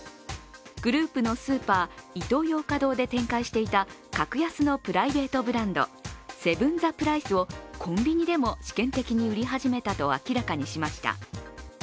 グループのスーパーイトーヨーカドーで展開していた格安のプライベートブランドセブン・ザ・プライスをコンビニでも試験的に売り始めたと明らかにしました。